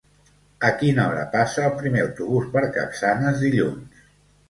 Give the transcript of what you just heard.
A quina hora passa el primer autobús per Capçanes dilluns?